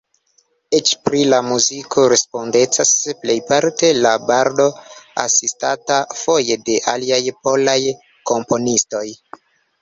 Eĉ pri la muziko respondecas plejparte la bardo, asistata foje de aliaj polaj komponistoj.